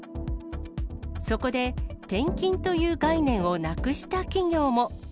そこで転勤という概念をなくした企業も。